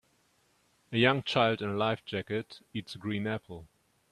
A young child in a life jacket eats a green apple